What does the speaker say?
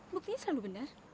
buktinya selalu benar